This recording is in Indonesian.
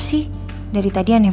saya ngaku salah